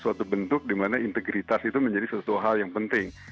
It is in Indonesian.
suatu bentuk dimana integritas itu menjadi sesuatu hal yang penting